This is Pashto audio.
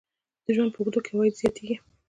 د ژوند په اوږدو کې عواید زیاتیږي.